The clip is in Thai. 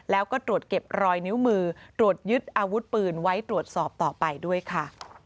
แล้วก็ตรวจเก็บรอยนิ้วมือตรวจยึดอาวุธปืนไว้ตรวจสอบต่อไปด้วยค่ะ